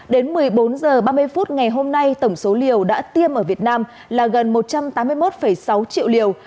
đến một mươi bốn h ba mươi phút ngày hôm nay tổng số liều đã tiêm ở việt nam là gần một trăm tám mươi một sáu triệu liều